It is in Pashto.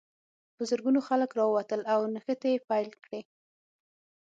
په زرګونو خلک راووتل او نښتې یې پیل کړې.